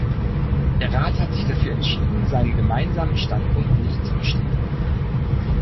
Der Rat hat sich dafür entschieden, seinen Gemeinsamen Standpunkt nicht zu bestätigen.